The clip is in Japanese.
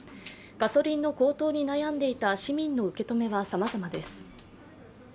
ガソリンの高騰に悩んでいた市民の受け止めはさまざまです。